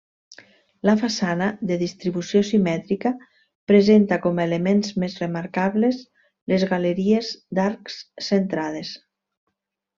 La façana, de distribució simètrica, presenta com a elements més remarcables les galeries d'arcs, centrades.